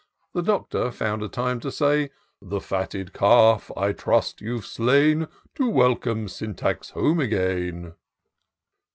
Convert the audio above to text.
The Doctor foimd a time to say —" The fatted calf I trust you've slain, To welcome Syntax home again."